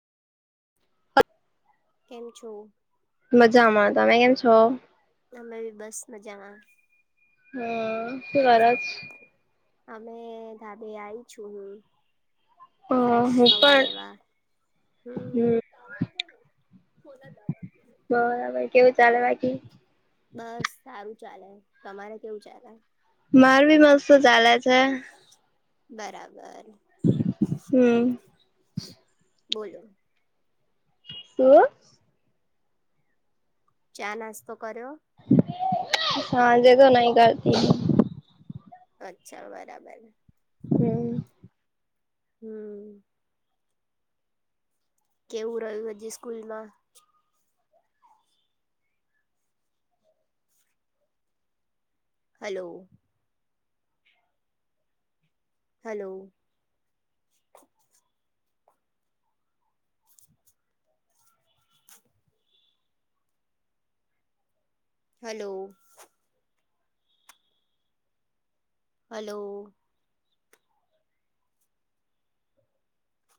કેમ છો મજામાં તમે કેમ છો અમે ભી બસ મજામાં હમ શું છો અમે ધાબે આવી છું હું ફ્રેશ હ હું હવા પણ લેવા હમ બરાબર કેવું [unintelligible] ચાલે બાકી બસ સારું ચાલે તમારે કેવું ચાલે મારું બી મસ્ત ચાલે છે બરાબર હમ [inaudible] બોલો શું ચા નાસ્તો કર્યો સાજે તો નહી કરતી હુ અચ્છા બરાબર હમ હમ કેવું રહ્યું હજી સ્કૂલમાં હલો હલો હલો હલો